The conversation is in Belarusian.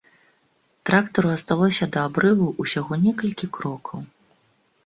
Трактару асталося да абрыву ўсяго некалькі крокаў.